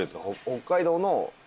北海道の。